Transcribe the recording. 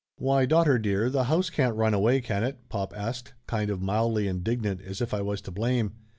"Why, daughter dear, the house can't run away, can it?" pop asked, kind of mildly indignant as if I was to blame.